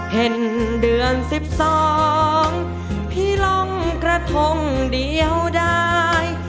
เห็นเดือน๑๒พี่ลงกระทงเดียวได้